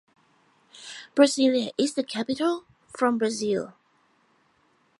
Brasilia is the capital from Brazil.